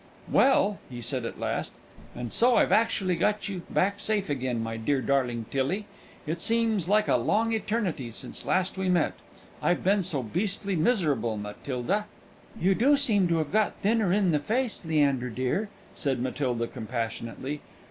"Well," he said, at last, "and so I've actually got you safe back again, my dear, darling Tillie! It seems like a long eternity since last we met. I've been so beastly miserable, Matilda!" "You do seem to have got thinner in the face, Leander dear," said Matilda, compassionately.